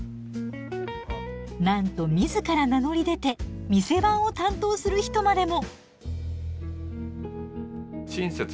なんと自ら名乗り出て店番を担当する人までも！